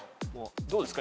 どうですか？